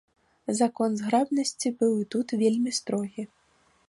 Закон зграбнасці быў і тут вельмі строгі.